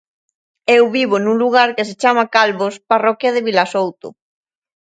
Eu vivo nun lugar que se chama Calvos, parroquia de Vilasouto.